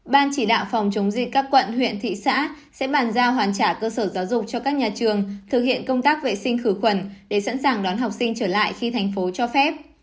ban chỉ đạo phòng chống dịch các quận huyện thị xã sẽ bàn giao hoàn trả cơ sở giáo dục cho các nhà trường thực hiện công tác vệ sinh khử khuẩn để sẵn sàng đón học sinh trở lại khi thành phố cho phép